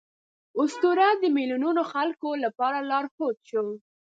اسطوره د میلیونونو خلکو لپاره لارښود شو.